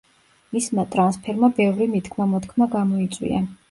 მისმა ტრანსფერმა ბევრი მითქმა-მოთქმა გამოიწვია.